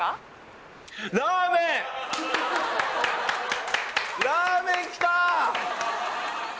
ラーメンきた！